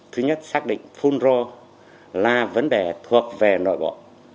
thứ nhất xác định phun rô là vấn đề thuộc về nội bộ